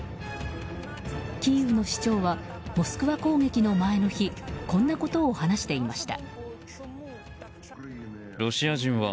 キーウの市長はモスクワ攻撃の前の日こんなことを話していました。